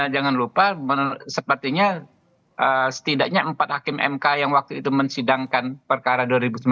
jangan lupa sepertinya setidaknya empat hakim mk yang waktu itu mensidangkan perkara dua ribu sembilan belas